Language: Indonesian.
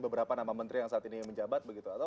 beberapa nama menteri yang saat ini yang menjabat